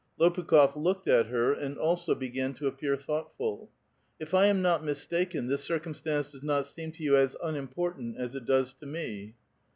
Lopukh6f looked at her and also began to appear thoughtful :— ^^If I am not mistaken, this circumstance does not seem to you as unimportant as it does to me